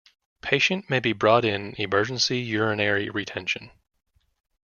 Patient may be brought in emergency urinary retention.